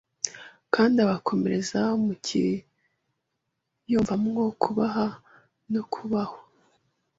kandi abakomereze mu kwiyumvamo kubaha no kubahwa